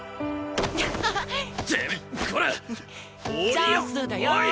チャンスだよ！